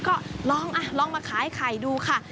ก็ลองลองมาขายไข่ดูค่ะ